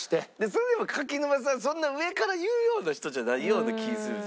それでも柿沼さんそんな上から言うような人じゃないような気ぃするんですけどね。